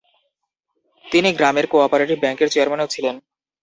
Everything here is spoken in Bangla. তিনি গ্রামের কো-অপারেটিভ ব্যাঙ্কের চেয়ারম্যানও ছিলেন।